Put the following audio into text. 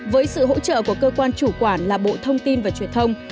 với sự hỗ trợ của cơ quan chủ quản là bộ thông tin và truyền thông